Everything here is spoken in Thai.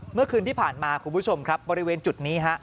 เมื่อคืนที่ผ่านมาคุณผู้ชมครับบริเวณจุดนี้ฮะ